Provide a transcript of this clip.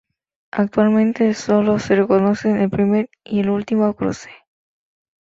Actualmente, solo se reconocen el primer y el último cruce.